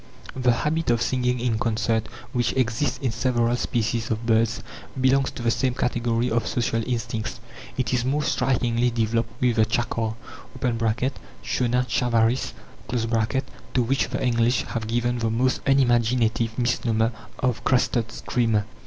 The habit of singing in concert, which exists in several species of birds, belongs to the same category of social instincts. It is most strikingly developed with the chakar (Chauna chavarris), to which the English have given the most unimaginative misnomer of "crested screamer."